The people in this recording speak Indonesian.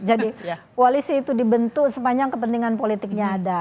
jadi koalisi itu dibentuk sepanjang kepentingan politiknya ada